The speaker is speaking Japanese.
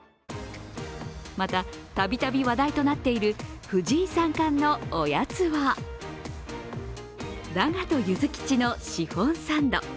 またたびたび話題となっている藤井三冠のおやつは長門ゆずきちのシフォンサンド。